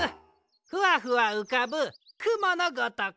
ふわふわうかぶくものごとく。